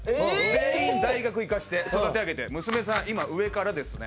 全員大学行かせて育て上げて娘さん今上からですね。